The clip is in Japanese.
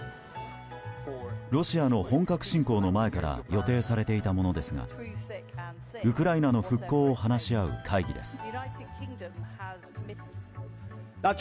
ロシアの本格侵攻の前から予定されていたものですがウクライナの復興を話し合う会議です。